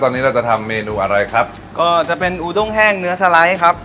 ตอนนี้เราจะทำเมนูอะไรครับก็จะเป็นอูด้งแห้งเนื้อสไลด์ครับ